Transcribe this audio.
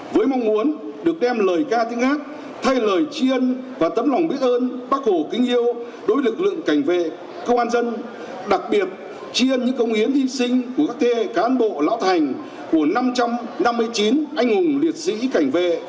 với mong muốn được đem lời ca tiếng ác thay lời tri ân và tấm lòng biết ơn bác hồ kính yêu đối lực lượng cảnh vệ công an dân đặc biệt tri ân những công hiến hi sinh của các thê cán bộ lão thành của năm trăm năm mươi chín anh hùng liệt sĩ cảnh vệ